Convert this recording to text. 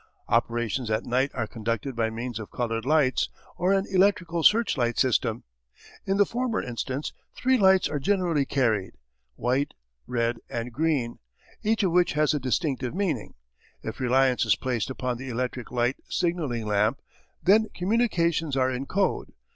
Operations at night are conducted by means of coloured lights or an electrical searchlight system. In the former instance three lights are generally carried white, red, and green each of which has a distinctive meaning. If reliance is placed upon the electric light signalling lamp, then communications are in code.